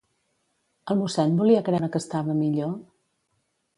El mossèn volia creure que estava millor?